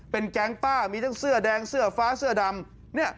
เป็นแก๊งป้ามีทั้งเสื้อแดงเสื้อฟ้าเสื้อดำ